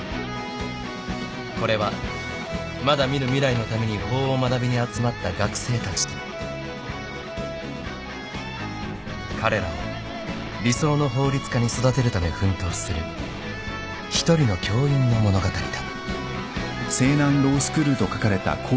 ［これはまだ見ぬ未来のために法を学びに集まった学生たちと彼らを理想の法律家に育てるため奮闘する一人の教員の物語だ］